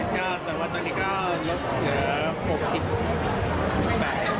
แต่ว่าตอนนี้ก็ลดเกือบ๖๐บาท